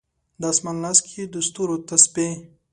د اسمان لاس کې یې د ستورو تسبې